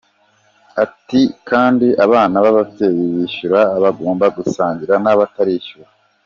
Ati kandi “Abana b’ababyeyi bishyura bagomba gusangira n’abatarishyura.